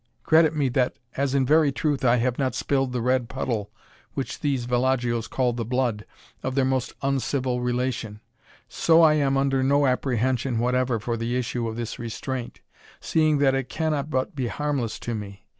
Credit me, that, as in very truth, I have not spilled the red puddle (which these villagios call the blood) of their most uncivil relation, so I am under no apprehension whatever for the issue of this restraint, seeing that it cannot but be harmless to me.